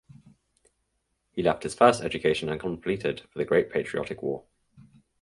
He left his first education uncompleted for the Great Patriotic War.